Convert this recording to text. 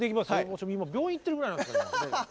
私今病院行ってるぐらいなんですから。